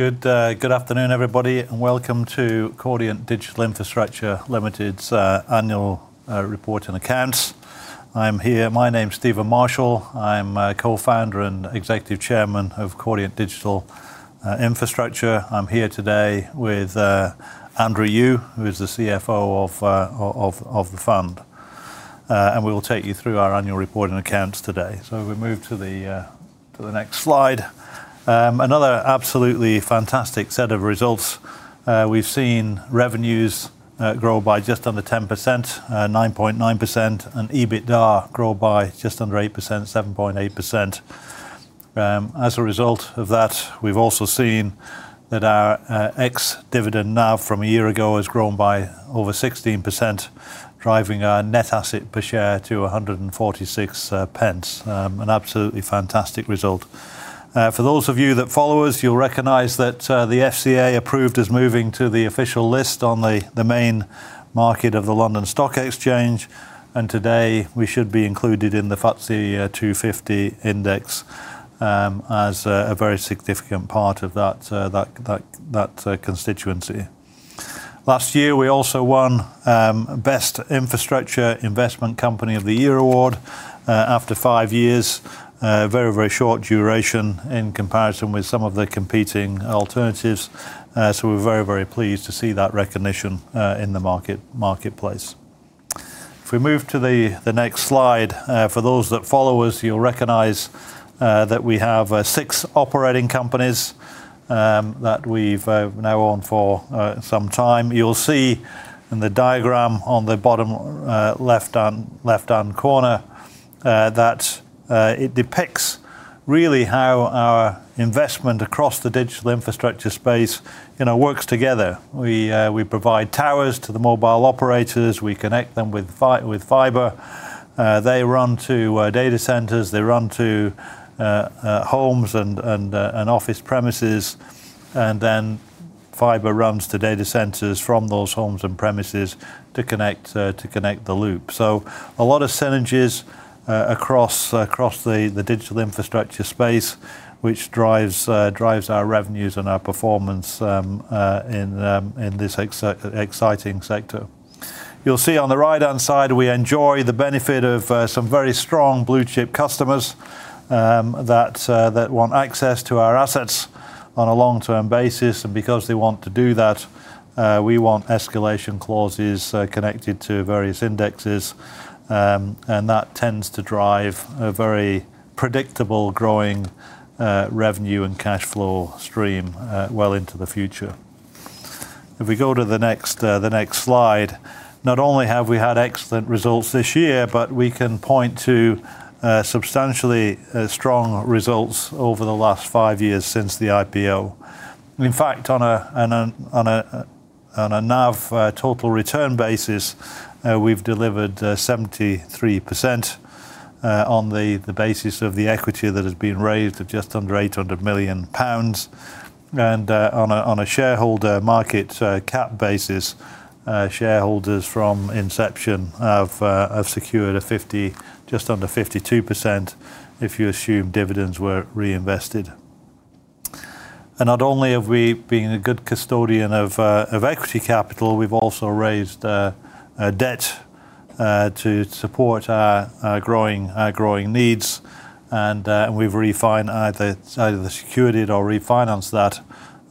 Good afternoon, everybody, and welcome to Cordiant Digital Infrastructure Limited's Annual Report and Accounts. My name's Steven Marshall. I'm Co-Founder and Executive Chairman of Cordiant Digital Infrastructure. I'm here today with Andrew Ewe, who is the CFO of the fund. We will take you through our annual report and accounts today. If we move to the next slide. Another absolutely fantastic set of results. We've seen revenues grow by just under 10%, 9.9%, and EBITDA grow by just under 8%, 7.8%. As a result of that, we've also seen that our ex-dividend NAV from a year ago has grown by over 16%, driving our net asset per share to 1.46. An absolutely fantastic result. For those of you that follow us, you'll recognize that the FCA approved us moving to the official list on the main market of the London Stock Exchange. Today we should be included in the FTSE 250 Index as a very significant part of that constituency. Last year, we also won Infrastructure Investment Company of the Year Award, after five years. A very short duration in comparison with some of the competing alternatives. We're very pleased to see that recognition in the marketplace. If we move to the next slide, for those that follow us, you'll recognize that we have six operating companies that we've now owned for some time. You'll see in the diagram on the bottom left-hand corner that it depicts really how our investment across the digital infrastructure space works together. We provide towers to the mobile operators, we connect them with fiber. They run to data centers, they run to homes and office premises. Then fiber runs to data centers from those homes and premises to connect the loop. A lot of synergies across the digital infrastructure space, which drives our revenues and our performance in this exciting sector. You'll see on the right-hand side, we enjoy the benefit of some very strong blue-chip customers that want access to our assets on a long-term basis. Because they want to do that, we want escalation clauses connected to various indexes, and that tends to drive a very predictable growing revenue and cash flow stream well into the future. If we go to the next slide. Not only have we had excellent results this year, we can point to substantially strong results over the last five years since the IPO. In fact, on a NAV total return basis, we've delivered 73% on the basis of the equity that has been raised of just under 800 million pounds. On a shareholder market cap basis, shareholders from inception have secured just under 52%, if you assume dividends were reinvested. Not only have we been a good custodian of equity capital, we've also raised debt to support our growing needs. We've either secured or refinanced that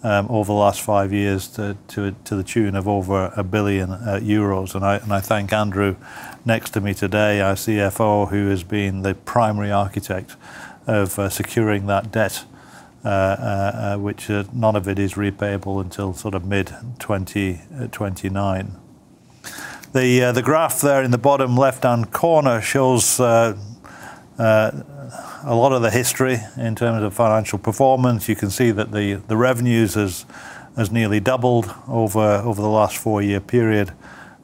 over the last five years to the tune of over 1 billion euros. I thank Andrew, next to me today, our CFO, who has been the primary architect of securing that debt, which none of it is repayable until mid-2029. The graph there in the bottom left-hand corner shows a lot of the history in terms of financial performance. You can see that the revenues has nearly doubled over the last four-year period,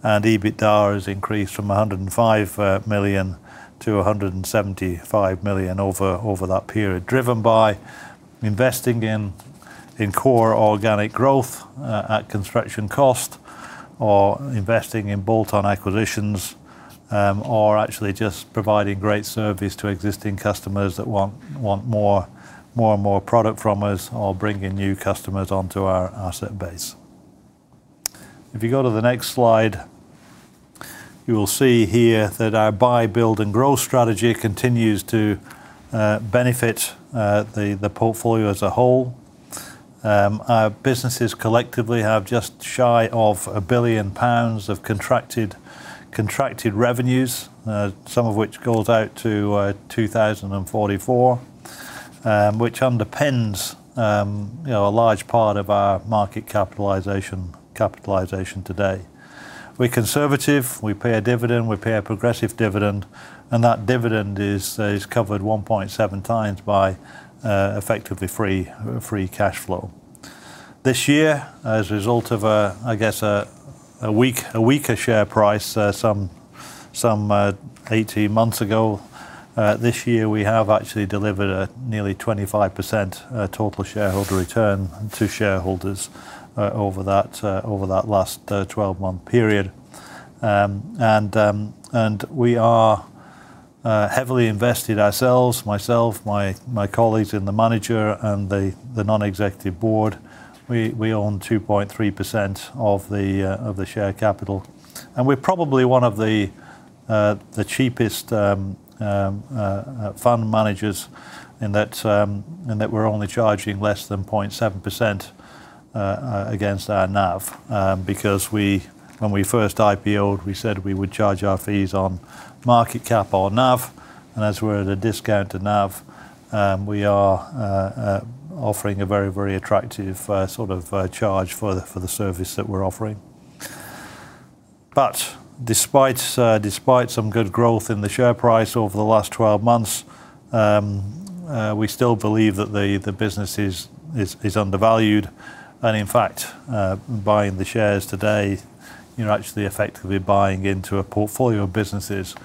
and EBITDA has increased from 105 million to 175 million over that period. Driven by investing in core organic growth at construction cost, or investing in bolt-on acquisitions, or actually just providing great service to existing customers that want more and more product from us, or bringing new customers onto our asset base. If you go to the next slide, you will see here that our buy, build, and grow strategy continues to benefit the portfolio as a whole. Our businesses collectively have just shy of 1 billion pounds of contracted revenues, some of which goes out to 2044, which underpins a large part of our market capitalization today. We're conservative. We pay a dividend, we pay a progressive dividend, and that dividend is covered 1.7x by effectively free cash flow. This year, as a result of, I guess, a weaker share price some 18 months ago, this year we have actually delivered a nearly 25% total shareholder return to shareholders over that last 12-month period. We are Heavily invested ourselves, myself, my colleagues in the manager, and the non-executive board. We own 2.3% of the share capital, and we're probably one of the cheapest fund managers in that we're only charging less than 0.7% against our NAV. When we first IPO'd, we said we would charge our fees on market cap or NAV, and as we're at a discount to NAV, we are offering a very attractive charge for the service that we're offering. Despite some good growth in the share price over the last 12 months, we still believe that the business is undervalued. In fact, buying the shares today, you're actually effectively buying into a portfolio of businesses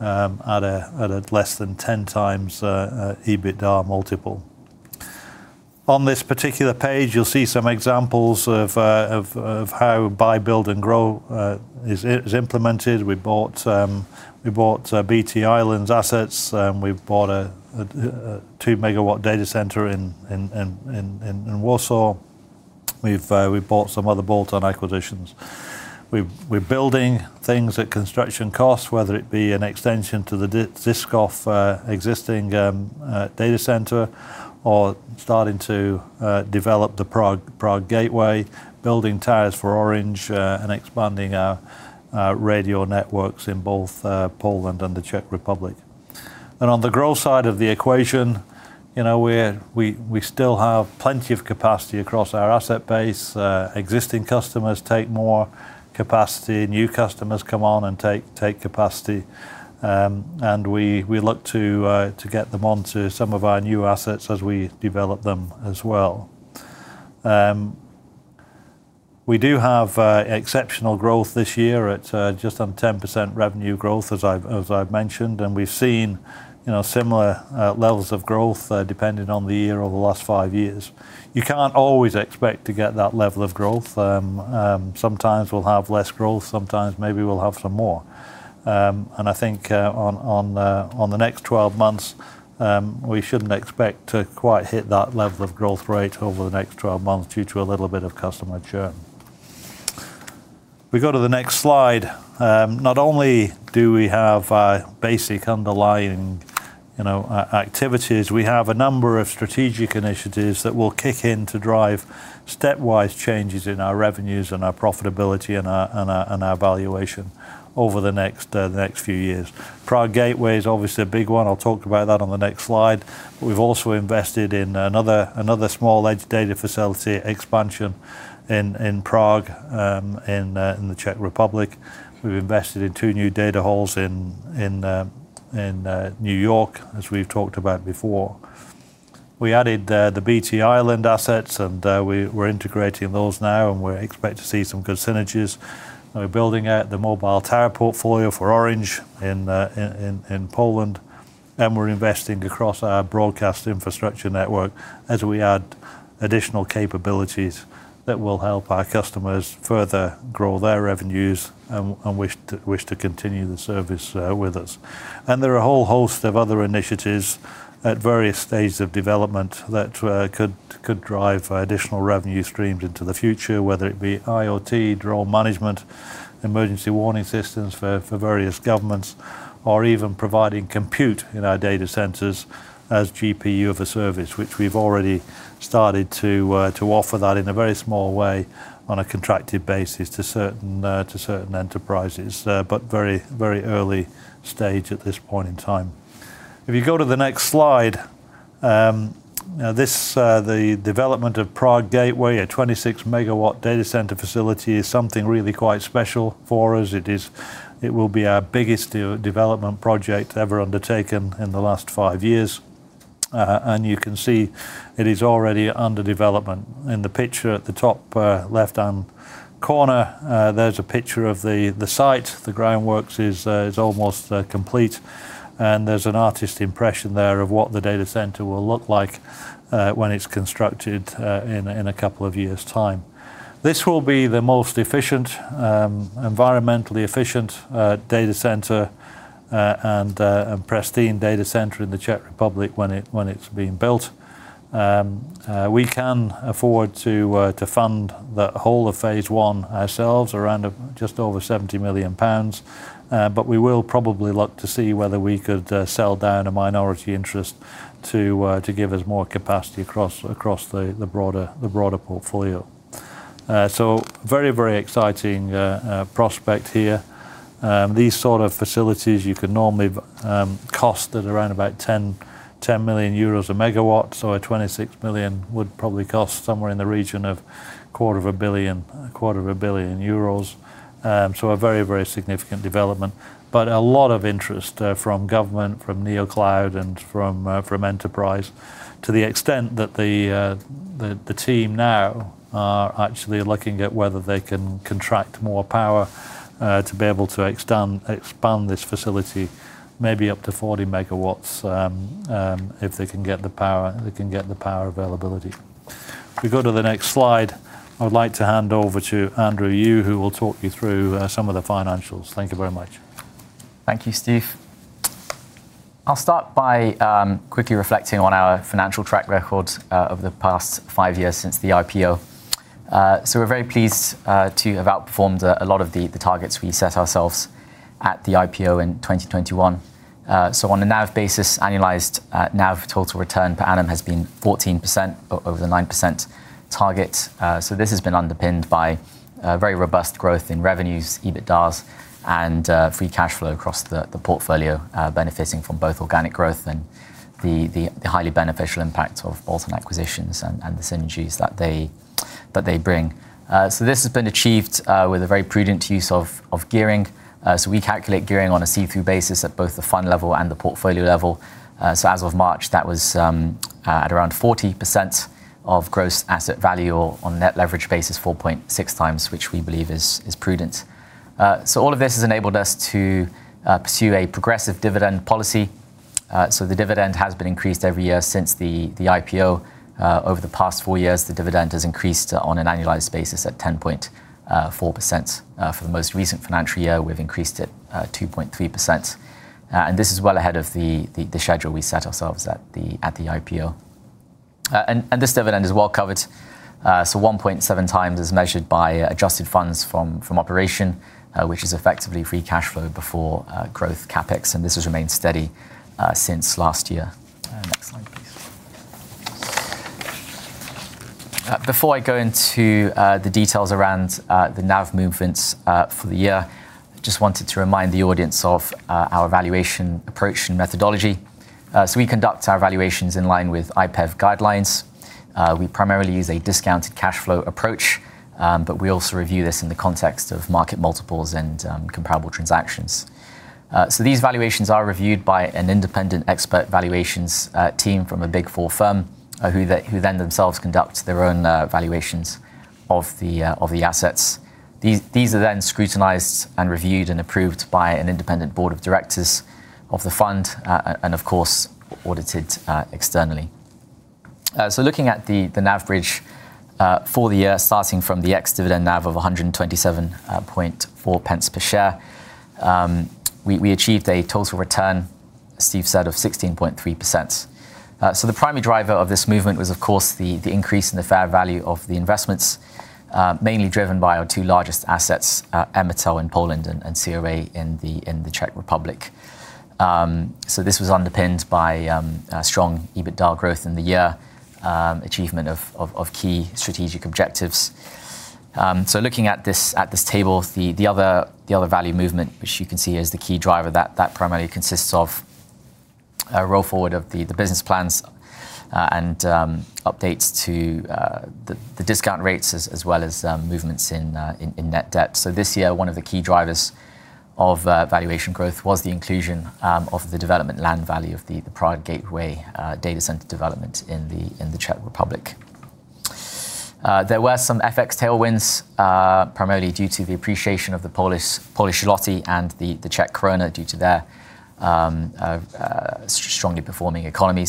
at a less than 10x EBITDA multiple. On this particular page, you'll see some examples of how buy, build, and grow is implemented. We bought BT Ireland's assets. We've bought a 2 MW data center in Warsaw. We've bought some other bolt-on acquisitions. We're building things at construction costs, whether it be an extension to the Žižkov existing data center or starting to develop the Prague Gateway, building towers for Orange, and expanding our radio networks in both Poland and the Czech Republic. On the growth side of the equation, we still have plenty of capacity across our asset base. Existing customers take more capacity. New customers come on and take capacity. We look to get them onto some of our new assets as we develop them as well. We do have exceptional growth this year at just on 10% revenue growth, as I've mentioned, and we've seen similar levels of growth, depending on the year, over the last five years. You can't always expect to get that level of growth. Sometimes we'll have less growth, sometimes maybe we'll have some more. I think on the next 12 months, we shouldn't expect to quite hit that level of growth rate over the next 12 months due to a little bit of customer churn. We go to the next slide. Not only do we have basic underlying activities, we have a number of strategic initiatives that will kick in to drive stepwise changes in our revenues and our profitability and our valuation over the next few years. Prague Gateway is obviously a big one. I'll talk about that on the next slide. We've also invested in another small edge data facility expansion in Prague, in the Czech Republic. We've invested in two new data halls in New York, as we've talked about before. We added the BT Ireland assets, and we're integrating those now, and we expect to see some good synergies. We're building out the mobile tower portfolio for Orange in Poland, and we're investing across our broadcast infrastructure network as we add additional capabilities that will help our customers further grow their revenues and wish to continue the service with us. There are a whole host of other initiatives at various stages of development that could drive additional revenue streams into the future, whether it be IoT, drone management, emergency warning systems for various governments, or even providing compute in our data centers as GPU as a Service, which we've already started to offer that in a very small way on a contracted basis to certain enterprises. Very early stage at this point in time. If you go to the next slide. The development of Prague Gateway, a 26 MW data center facility, is something really quite special for us. It will be our biggest development project ever undertaken in the last five years. You can see it is already under development. In the picture at the top left-hand corner, there's a picture of the site. The groundworks is almost complete, and there's an artist impression there of what the data center will look like when it's constructed in a couple of years' time. This will be the most environmentally efficient data center and pristine data center in the Czech Republic when it's been built. We can afford to fund the whole of phase one ourselves, around just over 70 million pounds. We will probably look to see whether we could sell down a minority interest to give us more capacity across the broader portfolio. Very exciting prospect here. These sort of facilities you can normally cost at around about 10 million euros a megawatt, so a 26 million would probably cost somewhere in the region of 0.25 billion euros. A very significant development. A lot of interest from government, from Neocloud, and from enterprise, to the extent that the team now are actually looking at whether they can contract more power to be able to expand this facility maybe up to 40 MW, if they can get the power availability. We go to the next slide. I would like to hand over to Andrew Ewe, who will talk you through some of the financials. Thank you very much. Thank you, Steve. I'll start by quickly reflecting on our financial track record of the past five years since the IPO. We're very pleased to have outperformed a lot of the targets we set ourselves at the IPO in 2021. On a NAV basis, annualized NAV total return per annum has been 14% over the 9% target. This has been underpinned by very robust growth in revenues, EBITDAs, and free cash flow across the portfolio, benefiting from both organic growth and the highly beneficial impact of bolt-on acquisitions and the synergies that they bring. This has been achieved with a very prudent use of gearing. We calculate gearing on a see-through basis at both the fund level and the portfolio level. As of March, that was at around 40% of Gross Asset Value, or on a net leverage basis, 4.6x, which we believe is prudent. All of this has enabled us to pursue a progressive dividend policy. The dividend has been increased every year since the IPO. Over the past four years, the dividend has increased on an annualized basis at 10.4%. For the most recent financial year, we've increased it 2.3%, this is well ahead of the schedule we set ourselves at the IPO. This dividend is well covered, 1.7x as measured by Adjusted Funds From Operation, which is effectively free cash flow before growth CapEx, this has remained steady since last year. Next slide, please. Before I go into the details around the NAV movements for the year, I just wanted to remind the audience of our valuation approach and methodology. We conduct our valuations in line with IPEV guidelines. We primarily use a discounted cash flow approach, but we also review this in the context of market multiples and comparable transactions. These valuations are reviewed by an independent expert valuations team from a Big Four firm, who then themselves conduct their own valuations of the assets. These are then scrutinized and reviewed and approved by an independent board of directors of the fund, of course, audited externally. Looking at the NAV bridge for the year, starting from the ex-dividend NAV of 1.274 per share, we achieved a total return, Steve said, of 16.3%. The primary driver of this movement was of course, the increase in the fair value of the investments, mainly driven by our two largest assets, Emitel in Poland and CRA in the Czech Republic. This was underpinned by strong EBITDA growth in the year, achievement of key strategic objectives. Looking at this table, the other value movement, which you can see is the key driver, that primarily consists of a roll-forward of the business plans and updates to the discount rates, as well as movements in net debt. This year, one of the key drivers of valuation growth was the inclusion of the development land value of the Prague Gateway data center development in the Czech Republic. There were some FX tailwinds, primarily due to the appreciation of the Polish zloty and the Czech koruna due to their strongly performing economy.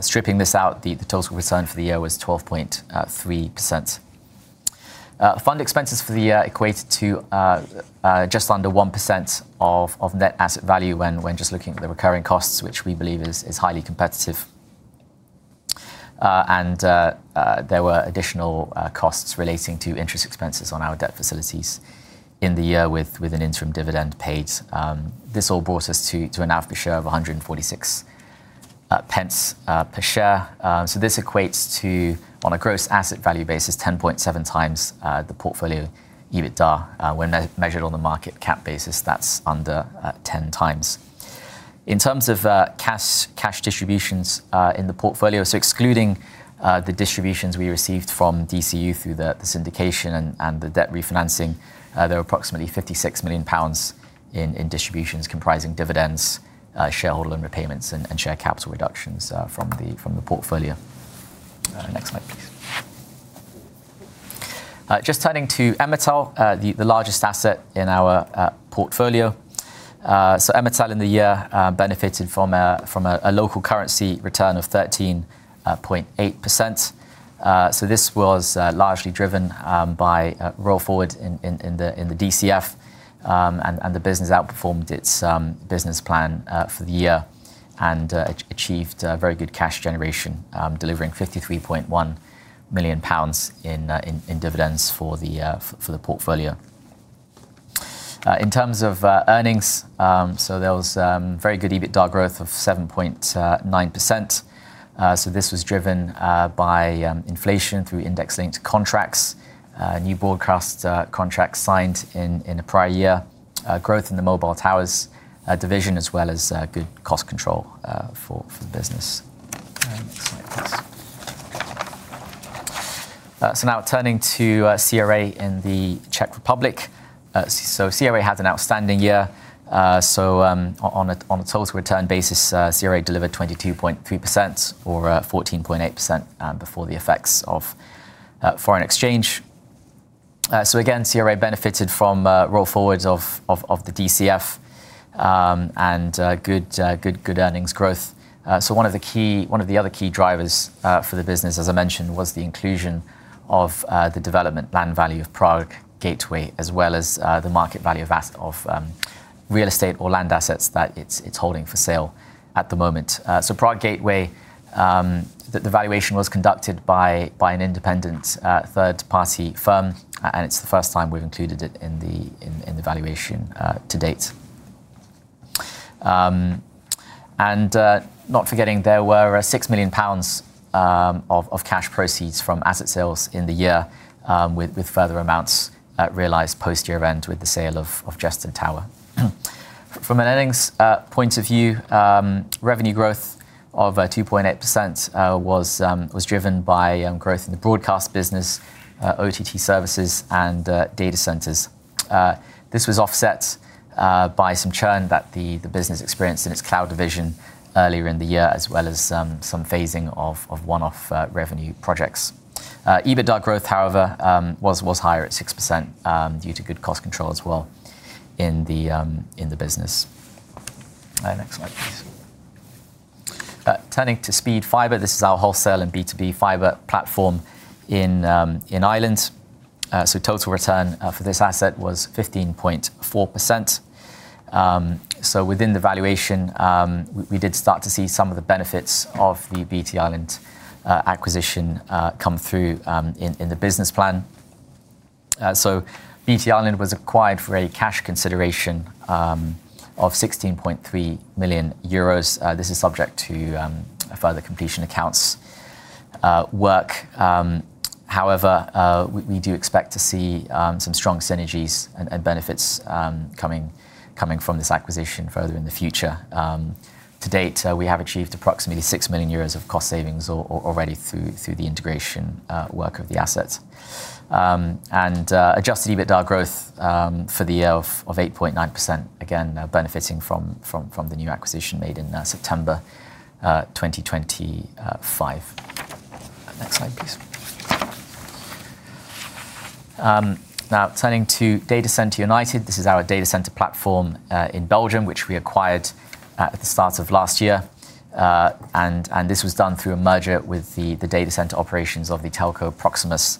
Stripping this out, the total return for the year was 12.3%. Fund expenses for the year equated to just under 1% of net asset value when just looking at the recurring costs, which we believe is highly competitive. There were additional costs relating to interest expenses on our debt facilities in the year with an interim dividend paid. This all brought us to a NAV per share of GBP 1.46 per share. This equates to, on a Gross Asset Value basis, 10.7x the portfolio EBITDA. When measured on the market cap basis, that's under 10x. In terms of cash distributions in the portfolio, excluding the distributions we received from DCU through the syndication and the debt refinancing, there were approximately GBP 56 million in distributions comprising dividends, shareholder repayments, and share capital reductions from the portfolio. Next slide, please. Just turning to Emitel, the largest asset in our portfolio. Emitel in the year benefited from a local currency return of 13.8%. This was largely driven by roll-forward in the DCF, and the business outperformed its business plan for the year and achieved very good cash generation, delivering 53.1 million pounds in dividends for the portfolio. In terms of earnings, there was very good EBITDA growth of 7.9%. This was driven by inflation through index-linked contracts, new broadcast contracts signed in the prior year, growth in the mobile towers division, as well as good cost control for the business. Next slide, please. Now turning to CRA in the Czech Republic. CRA had an outstanding year. On a total return basis, CRA delivered 22.3%, or 14.8% before the effects of foreign exchange. Again, CRA benefited from roll forwards of the DCF and good earnings growth. One of the other key drivers for the business, as I mentioned, was the inclusion of the development land value of Prague Gateway, as well as the market value of real estate or land assets that it's holding for sale at the moment. Prague Gateway, the valuation was conducted by an independent third-party firm, and it's the first time we've included it in the valuation to date. Not forgetting, there were 6 million pounds of cash proceeds from asset sales in the year, with further amounts realized post-year- end with the sale of Ještěd Tower. From an earnings point of view, revenue growth of 2.8% was driven by growth in the broadcast business, OTT services, and data centers. This was offset by some churn that the business experienced in its cloud division earlier in the year, as well as some phasing of one-off revenue projects. EBITDA growth, however, was higher at 6%, due to good cost control as well in the business. Next slide, please. Turning to Speed Fibre, this is our wholesale and B2B fibre platform in Ireland. Total return for this asset was 15.4%. Within the valuation, we did start to see some of the benefits of the BT Ireland acquisition come through in the business plan. BT Ireland was acquired for a cash consideration of 16.3 million euros. This is subject to further completion accounts work. However, we do expect to see some strong synergies and benefits coming from this acquisition further in the future. To date, we have achieved approximately 6 million euros of cost savings already through the integration work of the assets. Adjusted EBITDA growth for the year of 8.9%, again, benefiting from the new acquisition made in September 2025. Next slide, please. Turning to Datacenter United. This is our data center platform in Belgium, which we acquired at the start of last year. This was done through a merger with the data center operations of the telco Proximus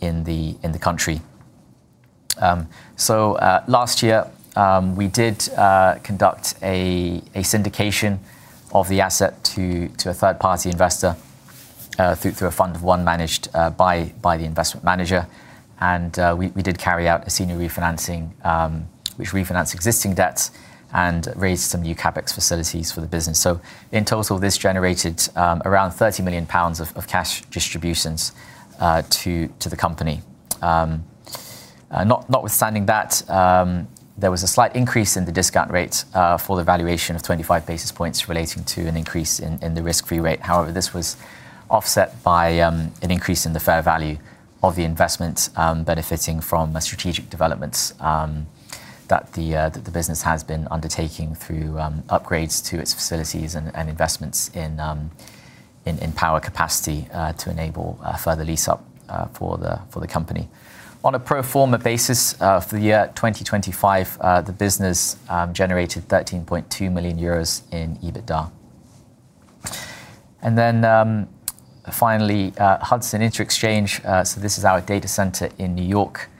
in the country. Last year, we did conduct a syndication of the asset to a third-party investor, through a fund of one managed by the investment manager. We did carry out a senior refinancing, which refinanced existing debts and raised some new CapEx facilities for the business. In total, this generated around 30 million pounds of cash distributions to the company. Notwithstanding that, there was a slight increase in the discount rate for the valuation of 25 basis points relating to an increase in the risk-free rate. However, this was offset by an increase in the fair value of the investment, benefiting from strategic developments that the business has been undertaking through upgrades to its facilities and investments in power capacity to enable further lease-up for the company. On a pro forma basis for the year 2025, the business generated 13.2 million euros in EBITDA. Finally, Hudson Interxchange. This is our data center in New York.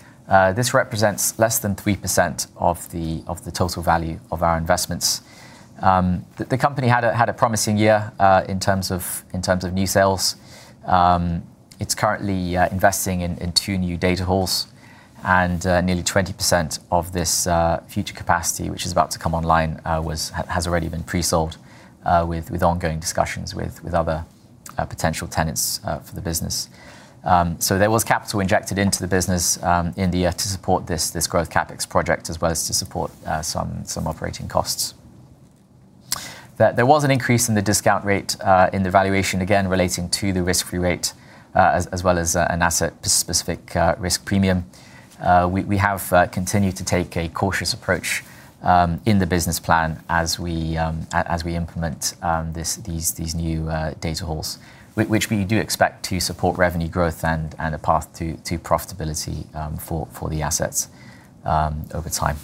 This represents less than 3% of the total value of our investments. The company had a promising year in terms of new sales. It's currently investing in two new data halls, and nearly 20% of this future capacity, which is about to come online, has already been pre-sold with ongoing discussions with other potential tenants for the business. There was capital injected into the business in the year to support this growth CapEx project, as well as to support some operating costs. There was an increase in the discount rate in the valuation, again, relating to the risk-free rate, as well as an asset-specific risk premium. We have continued to take a cautious approach in the business plan as we implement these new data halls, which we do expect to support revenue growth and a path to profitability for the assets over time.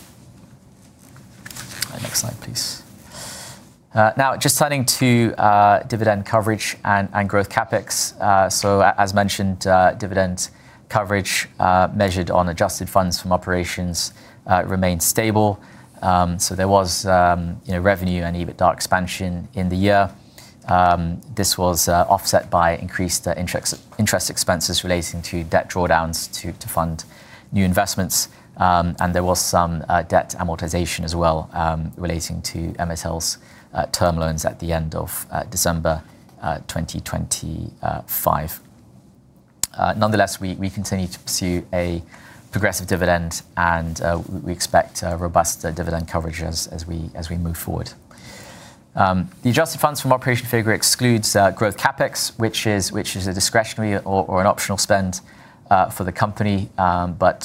Next slide, please. Just turning to dividend coverage and growth CapEx. As mentioned, dividend coverage measured on Adjusted Funds From Operation remained stable. There was revenue and EBITDA expansion in the year. This was offset by increased interest expenses relating to debt drawdowns to fund new investments. There was some debt amortization as well relating to MSL's term loans at the end of December 2025. Nonetheless, we continue to pursue a progressive dividend, and we expect robust dividend coverage as we move forward. The Adjusted Funds From Operation figure excludes growth CapEx, which is a discretionary or an optional spend for the company. Growth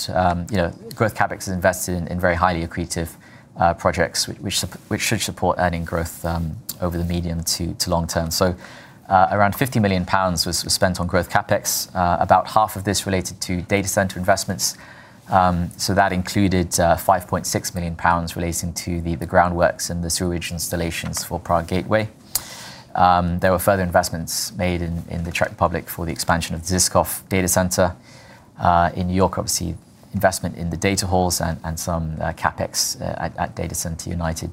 CapEx is invested in very highly accretive projects, which should support earning growth over the medium to long term. Around 50 million pounds was spent on growth CapEx, about half of this related to data center investments. That included 5.6 million pounds relating to the groundworks and the sewage installations for Prague Gateway. There were further investments made in the Czech Republic for the expansion of Žižkov data center. In York, obviously, investment in the data halls and some CapEx at Datacenter United.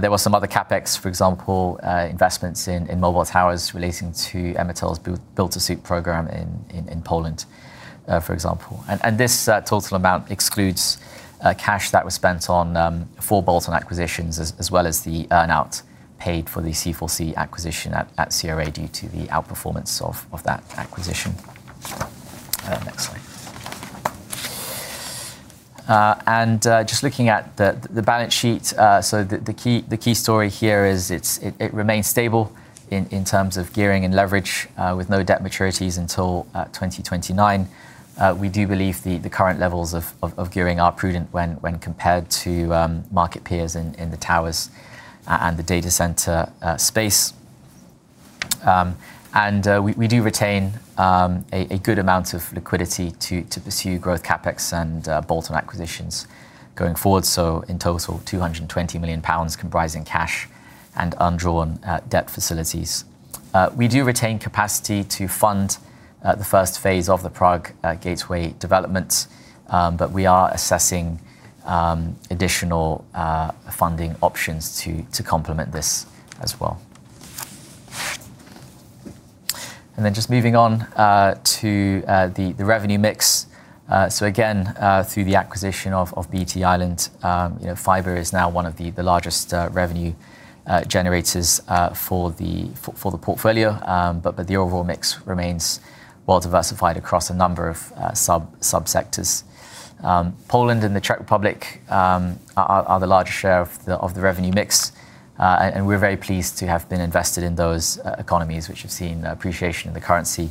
There were some other CapEx, for example, investments in mobile towers relating to Emitel's build-to-suit program in Poland, for example. This total amount excludes cash that was spent on four bolt-on acquisitions, as well as the earn-out paid for the C4C acquisition at CRA due to the outperformance of that acquisition. Next slide. Just looking at the balance sheet. The key story here is it remains stable in terms of gearing and leverage with no debt maturities until 2029. We do believe the current levels of gearing are prudent when compared to market peers in the towers and the data center space. We do retain a good amount of liquidity to pursue growth CapEx and bolt-on acquisitions going forward. In total, 220 million pounds comprising cash and undrawn debt facilities. We do retain capacity to fund the first phase of the Prague Gateway development, but we are assessing additional funding options to complement this as well. Just moving on to the revenue mix. Again, through the acquisition of BT Ireland, fiber is now one of the largest revenue generators for the portfolio. The overall mix remains well diversified across a number of sub-sectors. Poland and the Czech Republic are the largest share of the revenue mix. We're very pleased to have been invested in those economies, which have seen appreciation in the currency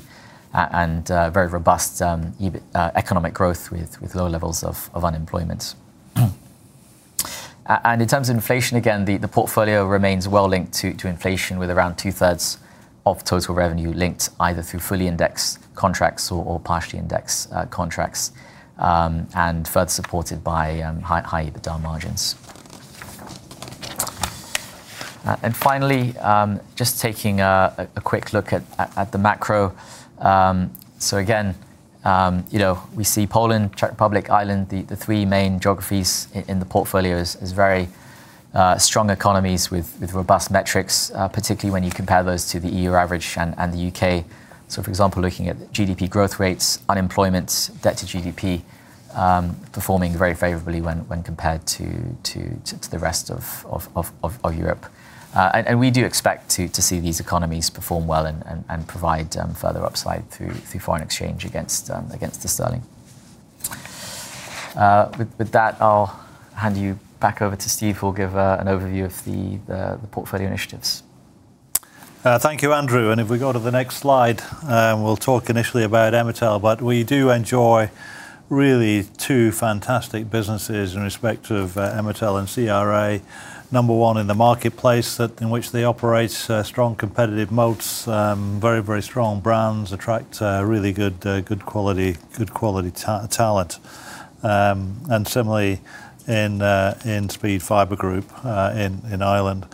and very robust economic growth with low levels of unemployment. In terms of inflation, again, the portfolio remains well linked to inflation with around two-thirds of total revenue linked either through fully indexed contracts or partially indexed contracts, and further supported by high EBITDA margins. Finally, just taking a quick look at the macro. Again, we see Poland, Czech Republic, Ireland, the three main geographies in the portfolio as very strong economies with robust metrics, particularly when you compare those to the EU average and the U.K. For example, looking at GDP growth rates, unemployment, debt to GDP, performing very favorably when compared to the rest of Europe. We do expect to see these economies perform well and provide further upside through foreign exchange against the sterling. With that, I'll hand you back over to Steve, who will give an overview of the portfolio initiatives. Thank you, Andrew. If we go to the next slide, we'll talk initially about Emitel. We do enjoy really two fantastic businesses in respect of Emitel and CRA. Number one, in the marketplace in which they operate, strong competitive moats, very, very strong brands, attract really good quality talent, and similarly in Speed Fibre Group in Ireland.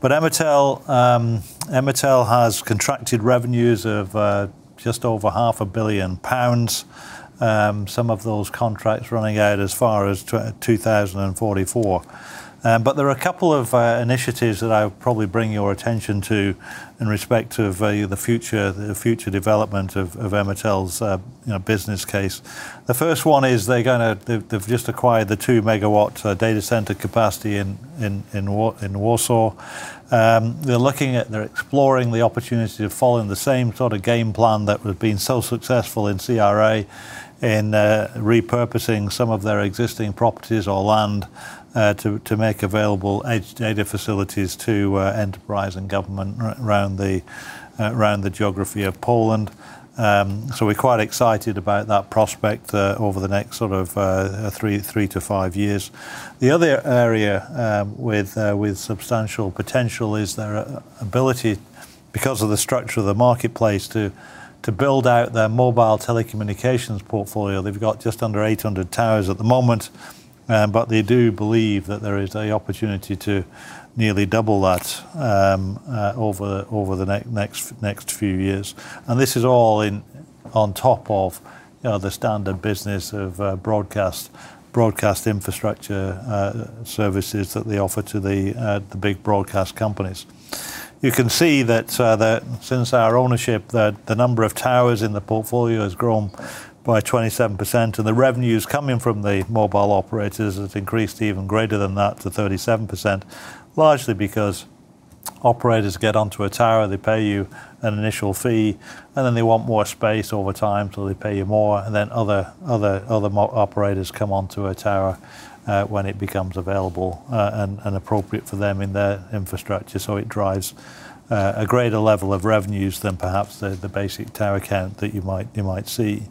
Emitel has contracted revenues of just over 0.5 billion pounds. Some of those contracts running out as far as 2044. There are a couple of initiatives that I would probably bring your attention to in respect of the future development of Emitel's business case. The first one is they've just acquired the 2 MW data center capacity in Warsaw. They're exploring the opportunity of following the same sort of game plan that has been so successful in CRA in repurposing some of their existing properties or land to make available edge data facilities to enterprise and government around the geography of Poland. We're quite excited about that prospect over the next three-five years. The other area with substantial potential is their ability, because of the structure of the marketplace, to build out their mobile telecommunications portfolio. They've got just under 800 towers at the moment. They do believe that there is a opportunity to nearly double that over the next few years. This is all on top of the standard business of broadcast infrastructure services that they offer to the big broadcast companies. You can see that since our ownership, the number of towers in the portfolio has grown by 27%, and the revenues coming from the mobile operators has increased even greater than that to 37%, largely because operators get onto a tower, they pay you an initial fee, and then they want more space over time, so they pay you more. Other operators come onto a tower when it becomes available and appropriate for them in their infrastructure. It drives a greater level of revenues than perhaps the basic tower count that you might see.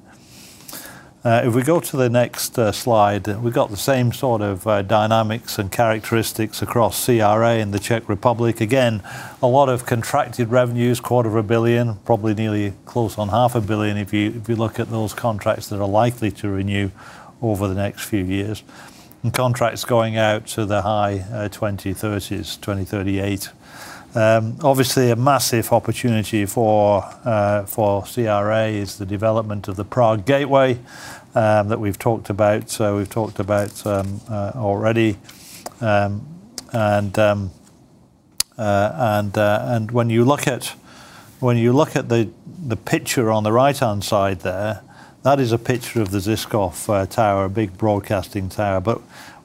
If we go to the next slide, we've got the same sort of dynamics and characteristics across CRA and the Czech Republic. Again, a lot of contracted revenues, 0.25 billion, probably nearly close on 0.5 billion if you look at those contracts that are likely to renew over the next few years. Contracts going out to the high 2030s, 2038. Obviously, a massive opportunity for CRA is the development of the Prague Gateway that we've talked about. We've talked about already. When you look at the picture on the right-hand side there, that is a picture of the Žižkov Tower, a big broadcasting tower.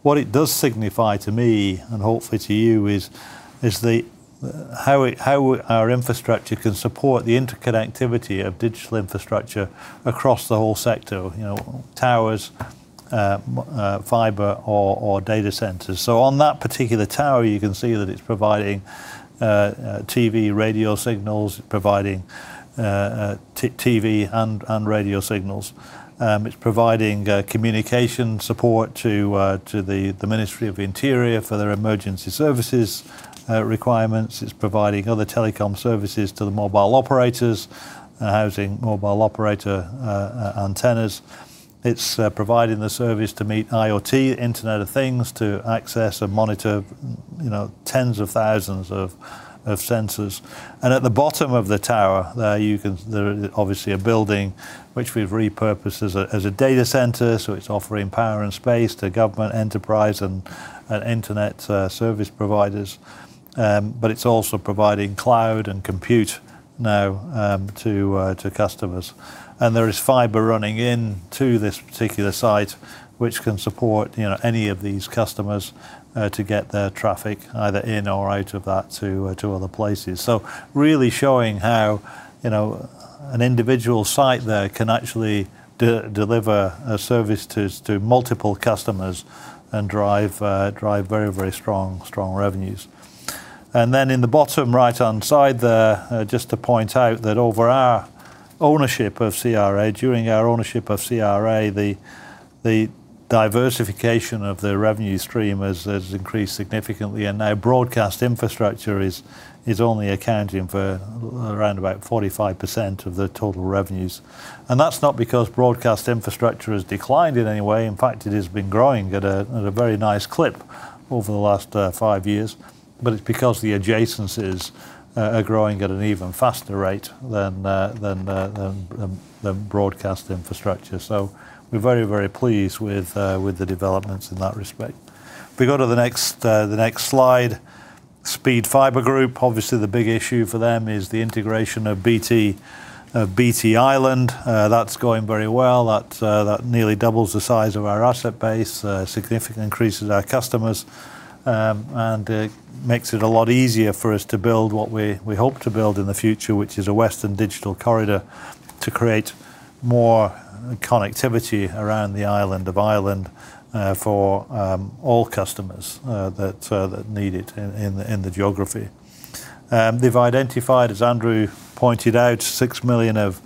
What it does signify to me, and hopefully to you, is how our infrastructure can support the interconnectivity of digital infrastructure across the whole sector, towers, fiber or data centers. On that particular tower, you can see that it's providing TV, radio signals, providing TV and radio signals. It's providing communication support to the Ministry of Interior for their emergency services requirements. It's providing other telecom services to the mobile operators, housing mobile operator antennas. It's providing the service to meet IoT, Internet of Things, to access and monitor tens of thousands of sensors. At the bottom of the tower, there is obviously a building which we've repurposed as a data center, so it's offering power and space to government enterprise and internet service providers. It's also providing cloud and compute now to customers. There is fiber running in to this particular site, which can support any of these customers to get their traffic either in or out of that to other places. Really showing how an individual site there can actually deliver a service to multiple customers and drive very, very strong revenues. In the bottom right-hand side there, just to point out that over our ownership of CRA, during our ownership of CRA, the diversification of the revenue stream has increased significantly. Broadcast infrastructure is only accounting for around about 45% of the total revenues. That's not because broadcast infrastructure has declined in any way. In fact, it has been growing at a very nice clip over the last five years. It's because the adjacencies are growing at an even faster rate than broadcast infrastructure. We're very, very pleased with the developments in that respect. If we go to the next slide, Speed Fibre Group, obviously the big issue for them is the integration of BT Ireland. That's going very well. That nearly doubles the size of our asset base, significantly increases our customers, and makes it a lot easier for us to build what we hope to build in the future, which is a Western Digital Corridor to create more connectivity around the island of Ireland for all customers that need it in the geography. They've identified, as Andrew pointed out, 6 million of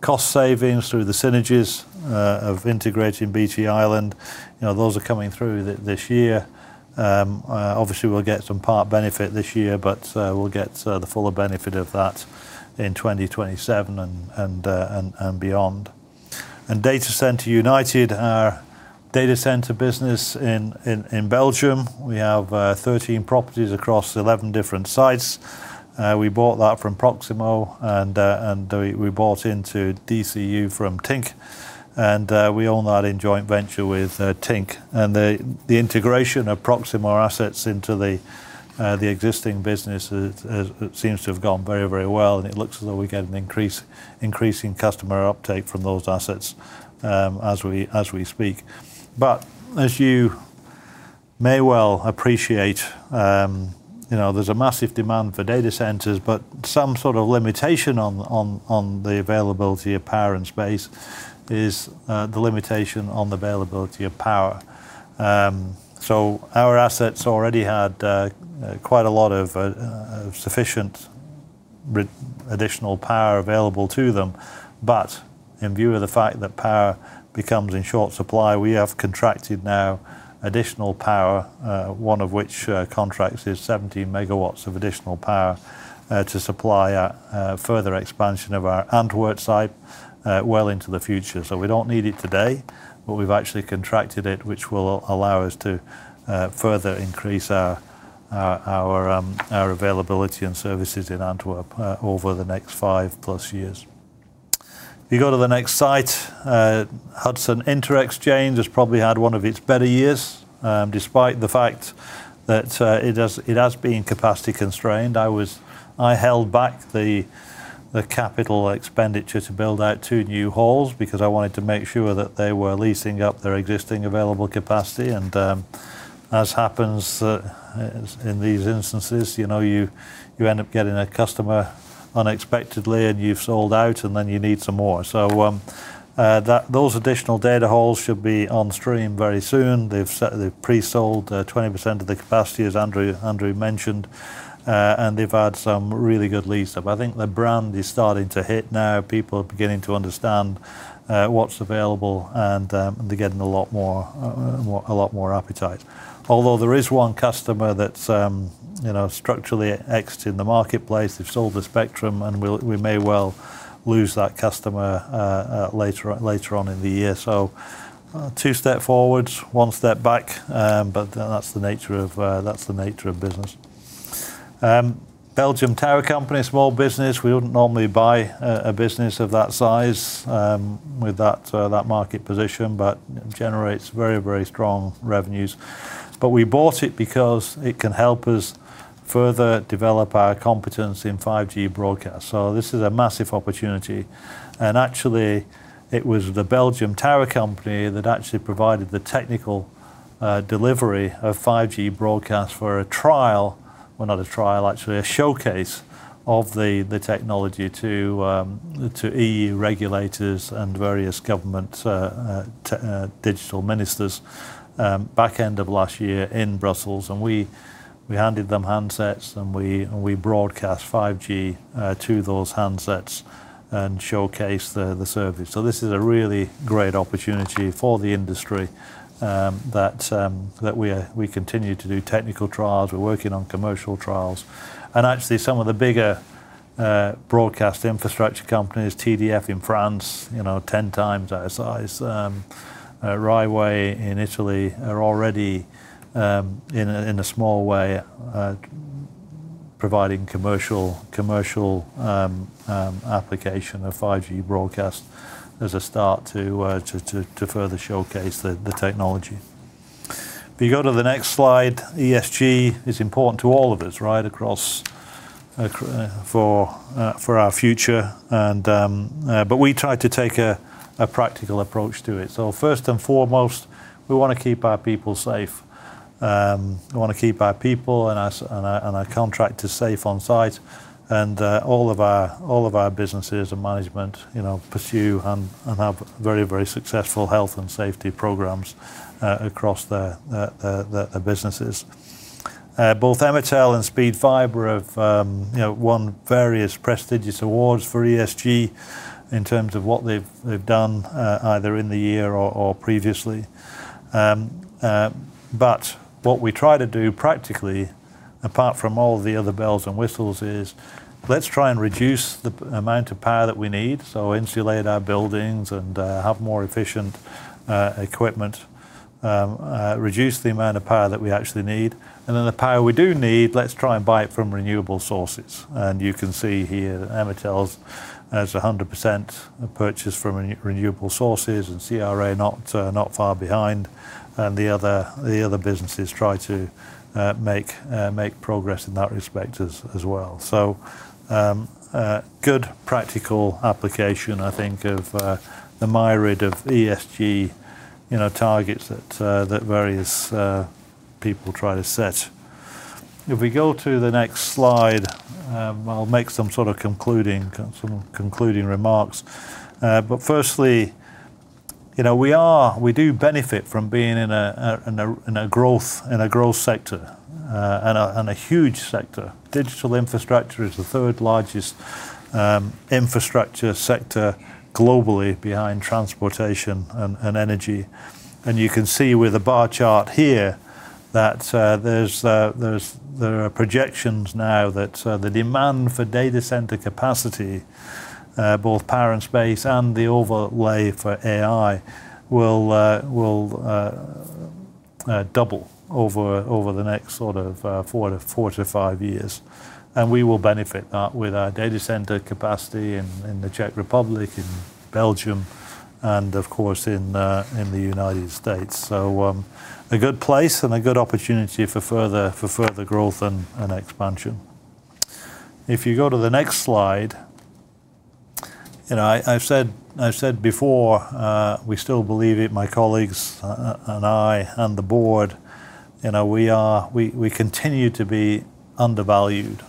cost savings through the synergies of integrating BT Ireland. Those are coming through this year. Obviously, we'll get some part benefit this year, but we'll get the fuller benefit of that in 2027 and beyond. Datacenter United, our data center business in Belgium, we have 13 properties across 11 different sites. We bought that from Proximus, and we bought into DCU from TINC, and we own that in joint venture with TINC. The integration of Proximus assets into the existing business seems to have gone very, very well, and it looks as though we get an increasing customer uptake from those assets as we speak. As you may well appreciate, there's a massive demand for data centers, but some sort of limitation on the availability of power and space is the limitation on the availability of power. Our assets already had quite a lot of sufficient additional power available to them. In view of the fact that power becomes in short supply, we have contracted now additional power, one of which contracts is 70 MW of additional power, to supply a further expansion of our Antwerp site well into the future. We don't need it today, but we've actually contracted it, which will allow us to further increase our availability and services in Antwerp over the next five-plus years. If you go to the next site, Hudson Interxchange has probably had one of its better years, despite the fact that it has been capacity constrained. I held back the capital expenditure to build out two new halls because I wanted to make sure that they were leasing up their existing available capacity. As happens in these instances, you end up getting a customer unexpectedly, and you've sold out, and then you need some more. Those additional data halls should be on stream very soon. They've pre-sold 20% of the capacity, as Andrew mentioned, and they've had some really good leads. I think the brand is starting to hit now. People are beginning to understand what's available, and they are getting a lot more appetite. There is one customer that is structurally exiting the marketplace. They have sold their spectrum, and we may well lose that customer later on in the year. Two step forwards, one step back, but that is the nature of business. Belgian Tower Company, small business. We would not normally buy a business of that size with that market position, but it generates very strong revenues. We bought it because it can help us further develop our competence in 5G Broadcast. This is a massive opportunity. Actually, it was the Belgian Tower Company that actually provided the technical delivery of 5G Broadcast for a trial. Well, not a trial, actually, a showcase of the technology to EU regulators and various government digital ministers back end of last year in Brussels. We handed them handsets, and we broadcast 5G to those handsets and showcased the service. This is a really great opportunity for the industry that we continue to do technical trials. We are working on commercial trials. Actually, some of the bigger broadcast infrastructure companies, TDF in France, 10x our size, Rai Way in Italy, are already, in a small way, providing commercial application of 5G Broadcast as a start to further showcase the technology. If you go to the next slide, ESG is important to all of us for our future, but we try to take a practical approach to it. First and foremost, we want to keep our people safe. We want to keep our people and our contractors safe on site. All of our businesses and management pursue and have very successful health and safety programs across their businesses. Both Emitel and Speed Fibre have won various prestigious awards for ESG in terms of what they have done, either in the year or previously. What we try to do practically, apart from all the other bells and whistles, is let us try and reduce the amount of power that we need, so insulate our buildings and have more efficient equipment, reduce the amount of power that we actually need. Then the power we do need, let us try and buy it from renewable sources. You can see here that Emitel's is 100% purchased from renewable sources, and CRA not far behind. The other businesses try to make progress in that respect as well. Good practical application, I think, of the myriad of ESG targets that various people try to set. If we go to the next slide, I will make some concluding remarks. Firstly, we do benefit from being in a growth sector, and a huge sector. Digital infrastructure is the third-largest infrastructure sector globally behind transportation and energy. You can see with the bar chart here that there are projections now that the demand for data center capacity, both power and space, and the overlay for AI, will double over the next four to five years. We will benefit that with our data center capacity in the Czech Republic, in Belgium, and of course, in the United States. A good place and a good opportunity for further growth and expansion. If you go to the next slide. I have said before, we still believe it, my colleagues and I, and the board. We continue to be undervalued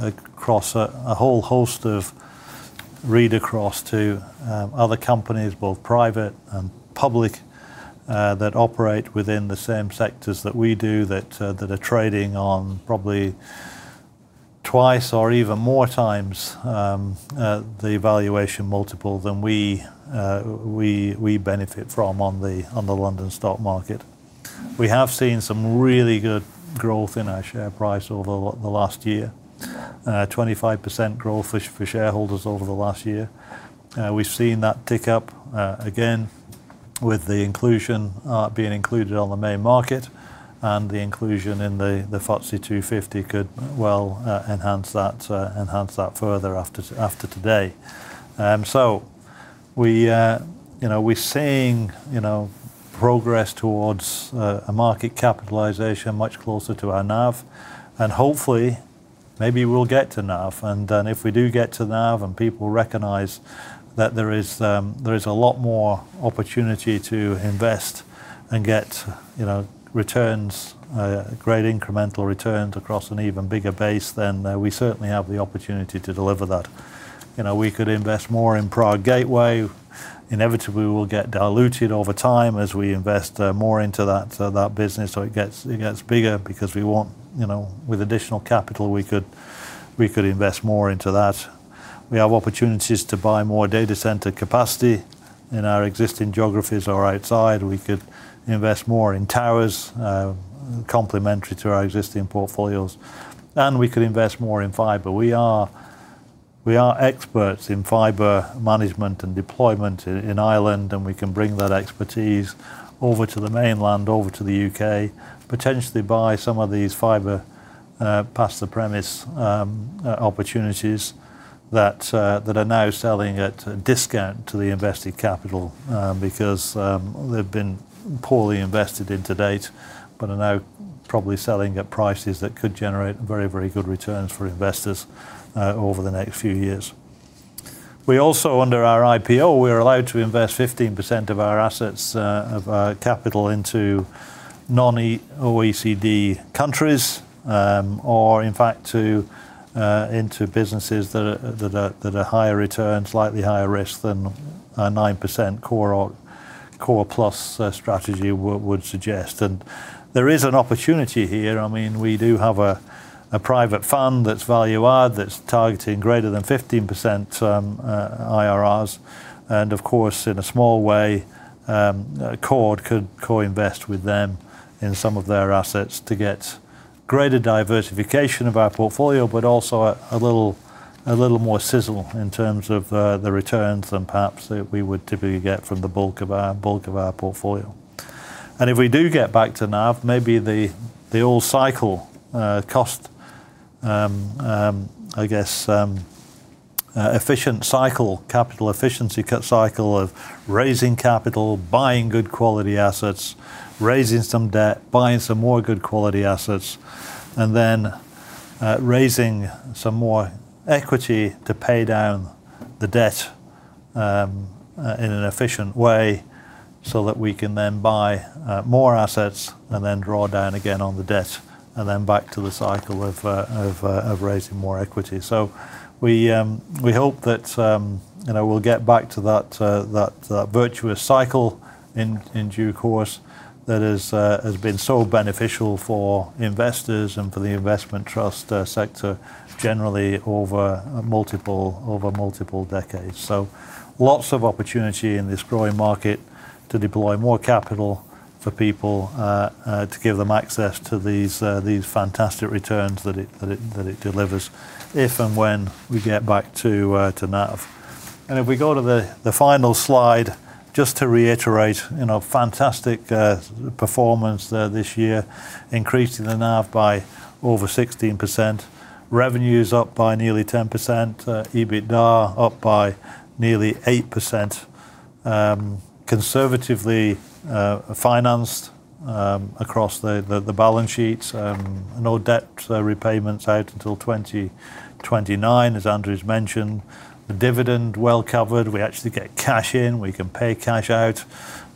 across a whole host of read-across to other companies, both private and public, that operate within the same sectors that we do, that are trading on probably twice or even more times the valuation multiple than we benefit from on the London Stock Market. We have seen some really good growth in our share price over the last year. 25% growth for shareholders over the last year. We've seen that tick up again with the inclusion, being included on the main market, and the inclusion in the FTSE 250 could well enhance that further after today. We're seeing progress towards a market capitalization much closer to our NAV, and hopefully, maybe we'll get to NAV. If we do get to NAV and people recognize that there is a lot more opportunity to invest and get great incremental returns across an even bigger base, then we certainly have the opportunity to deliver that. We could invest more in Prague Gateway. Inevitably, we'll get diluted over time as we invest more into that business, so it gets bigger because with additional capital we could invest more into that. We have opportunities to buy more data center capacity in our existing geographies or outside. We could invest more in towers, complementary to our existing portfolios. We could invest more in fiber. We are experts in fiber management and deployment in Ireland, and we can bring that expertise over to the mainland, over to the U.K., potentially buy some of these fiber past the premise opportunities that are now selling at a discount to the invested capital, because they've been poorly invested in to date, but are now probably selling at prices that could generate very good returns for investors over the next few years. Also, under our IPO, we're allowed to invest 15% of our assets of our capital into non-OECD countries, or in fact into businesses that are higher return, slightly higher risk than a 9% core plus strategy would suggest. There is an opportunity here. We do have a private fund that's value-add, that's targeting greater than 15% IRRs. Of course, in a small way, CORD could co-invest with them in some of their assets to get greater diversification of our portfolio, but also a little more sizzle in terms of the returns than perhaps that we would typically get from the bulk of our portfolio. If we do get back to NAV, maybe the all cycle cost, efficient cycle, capital efficiency cycle of raising capital, buying good quality assets, raising some debt, buying some more good quality assets, and then raising some more equity to pay down the debt in an efficient way so that we can then buy more assets and then draw down again on the debt. Then back to the cycle of raising more equity. We hope that we'll get back to that virtuous cycle in due course that has been so beneficial for investors and for the investment trust sector generally over multiple decades. Lots of opportunity in this growing market to deploy more capital for people, to give them access to these fantastic returns that it delivers if and when we get back to NAV. If we go to the final slide, just to reiterate, fantastic performance this year, increasing the NAV by over 16%. Revenue is up by nearly 10%, EBITDA up by nearly 8%, conservatively financed across the balance sheets. No debt repayments out until 2029, as Andrew's mentioned. The dividend well covered. We actually get cash in. We can pay cash out.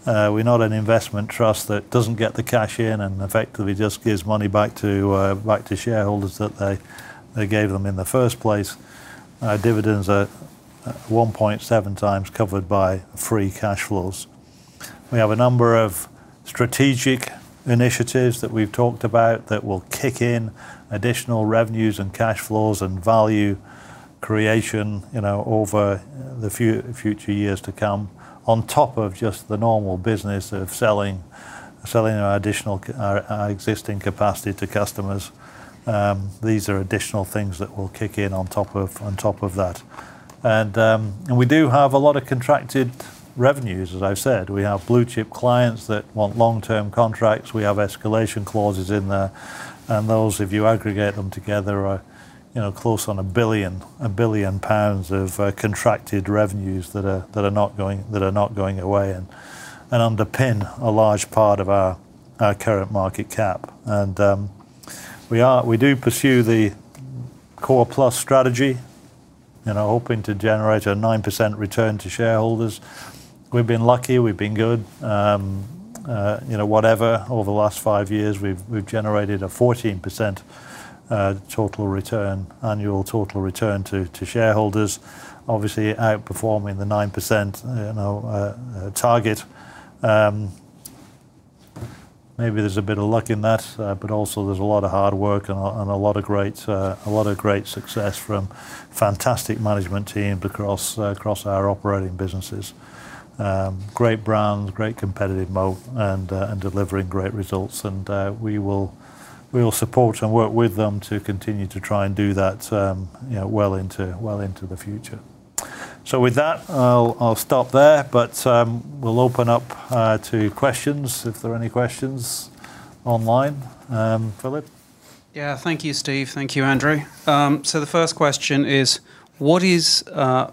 We're not an investment trust that doesn't get the cash in and effectively just gives money back to shareholders that they gave them in the first place. Dividends are 1.7x covered by free cash flows. We have a number of strategic initiatives that we've talked about that will kick in additional revenues and cash flows and value creation over the future years to come, on top of just the normal business of selling our existing capacity to customers. These are additional things that will kick in on top of that. We do have a lot of contracted revenues, as I've said. We have blue-chip clients that want long-term contracts. We have escalation clauses in there. Those, if you aggregate them together, are close on 1 billion pounds of contracted revenues that are not going away, and underpin a large part of our current market cap. We do pursue the core plus strategy, hoping to generate a 9% return to shareholders. We've been lucky. We've been good. Whatever, over the last five years, we've generated a 14% annual total return to shareholders, obviously outperforming the 9% target. Maybe there's a bit of luck in that, but also there's a lot of hard work and a lot of great success from fantastic management teams across our operating businesses. Great brands, great competitive moat, and delivering great results. We will support and work with them to continue to try and do that well into the future. With that, I'll stop there, but we'll open up to questions if there are any questions online. Philip? Yeah. Thank you, Steve. Thank you, Andrew. The first question is, what is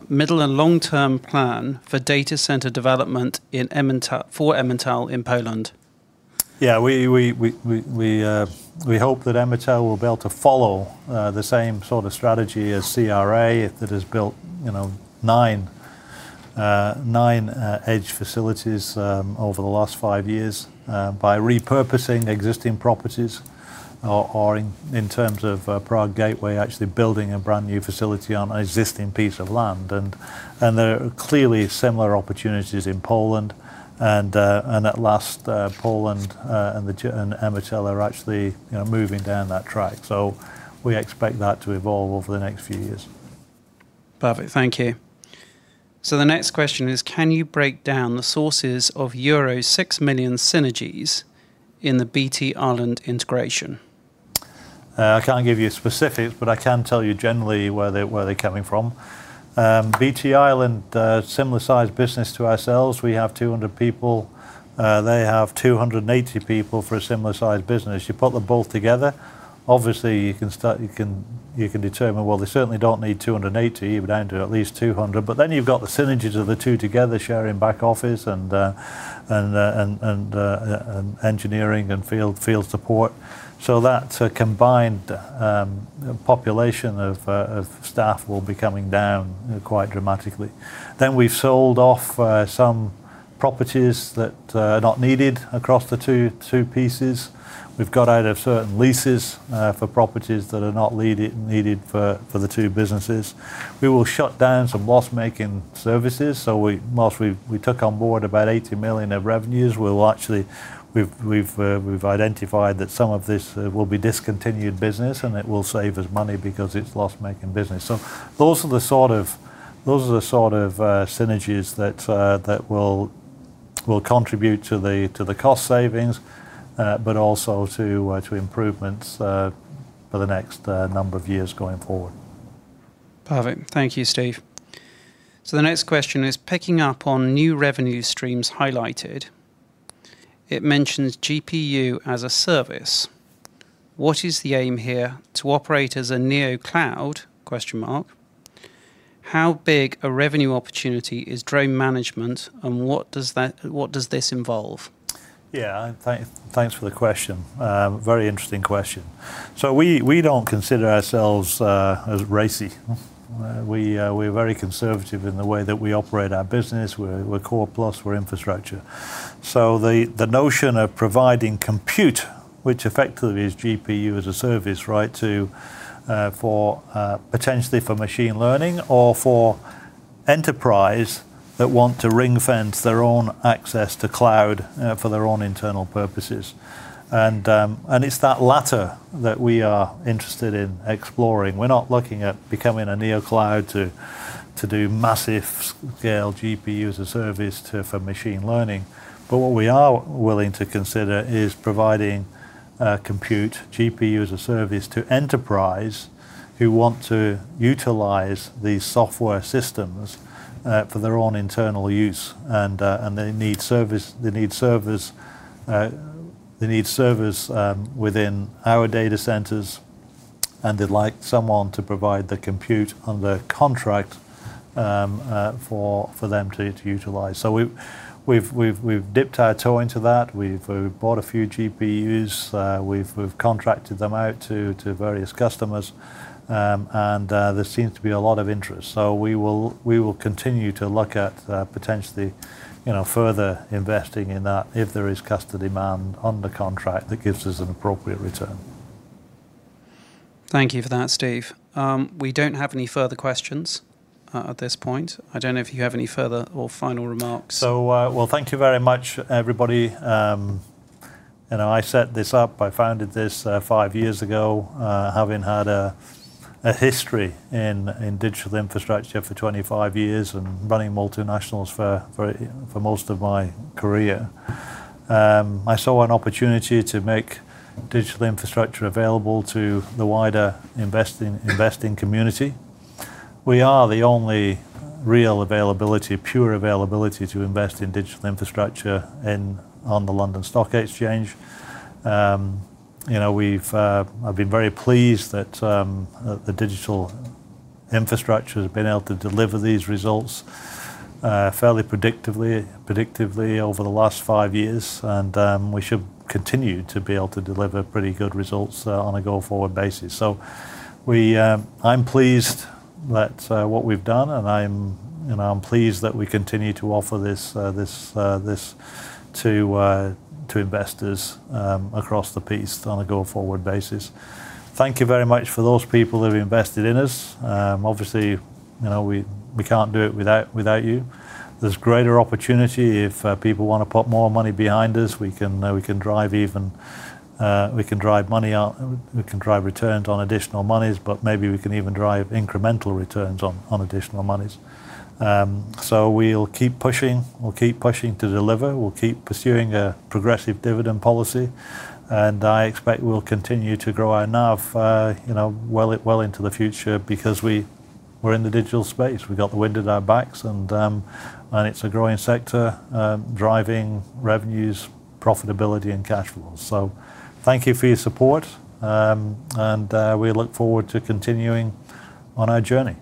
middle and long-term plan for data center development for Emitel in Poland? We hope that Emitel will be able to follow the same sort of strategy as CRA that has built nine edge facilities over the last five years by repurposing existing properties or, in terms of Prague Gateway, actually building a brand-new facility on an existing piece of land. There are clearly similar opportunities in Poland. At last, Poland and Emitel are actually moving down that track. We expect that to evolve over the next few years. Perfect. Thank you. The next question is, can you break down the sources of euro 6 million synergies in the BT Ireland integration? I can't give you specifics, but I can tell you generally where they're coming from. BT Ireland, similar size business to ourselves. We have 200 people. They have 280 people for a similar size business. You put them both together. Obviously, you can determine, well, they certainly don't need 280. You would down to at least 200. You've got the synergies of the two together sharing back office and engineering and field support. That combined population of staff will be coming down quite dramatically. We've sold off some properties that are not needed across the two pieces. We've got out of certain leases for properties that are not needed for the two businesses. We will shut down some loss-making services. Whilst we took on board about 80 million of revenues, we've identified that some of this will be discontinued business, it will save us money because it's loss-making business. Those are the sort of synergies that will contribute to the cost savings but also to improvements for the next number of years going forward. Perfect. Thank you, Steve. The next question is, picking up on new revenue streams highlighted. It mentions GPU as a Service. What is the aim here? To operate as a Neocloud? How big a revenue opportunity is drone management, and what does this involve? Yeah. Thanks for the question. Very interesting question. We don't consider ourselves as racy. We're very conservative in the way that we operate our business. We're core plus. We're infrastructure. The notion of providing compute, which effectively is GPU as a Service, potentially for machine learning or for enterprise that want to ring-fence their own access to cloud for their own internal purposes. It's that latter that we are interested in exploring. We're not looking at becoming a Neocloud to do massive scale GPU as a Service for machine learning. What we are willing to consider is providing compute, GPU as a Service to enterprise who want to utilize these software systems for their own internal use. They need servers within our data centers, and they'd like someone to provide the compute under contract for them to utilize. We've dipped our toe into that. We've bought a few GPUs. We've contracted them out to various customers. There seems to be a lot of interest. We will continue to look at potentially further investing in that if there is customer demand under contract that gives us an appropriate return. Thank you for that, Steve. We don't have any further questions at this point. I don't know if you have any further or final remarks. Well, thank you very much, everybody. I set this up, I founded this five years ago, having had a history in digital infrastructure for 25 years and running multinationals for most of my career. I saw an opportunity to make digital infrastructure available to the wider investing community. We are the only real availability, pure availability to invest in digital infrastructure on the London Stock Exchange. I've been very pleased that the digital infrastructure's been able to deliver these results fairly predictively over the last five years, and we should continue to be able to deliver pretty good results on a go-forward basis. I'm pleased what we've done, and I'm pleased that we continue to offer this to investors across the piece on a go-forward basis. Thank you very much for those people who've invested in us. Obviously, we can't do it without you. There's greater opportunity if people want to put more money behind us. We can drive returns on additional monies, but maybe we can even drive incremental returns on additional monies. We'll keep pushing to deliver. We'll keep pursuing a progressive dividend policy, and I expect we'll continue to grow our NAV well into the future because we're in the digital space. We've got the wind at our backs, and it's a growing sector, driving revenues, profitability, and cash flows. Thank you for your support, and we look forward to continuing on our journey.